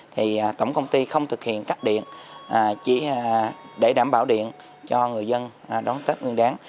thì tổng công ty không thực hiện cắt điện chỉ để đảm bảo điện cho người dân đón tết nguyên đáng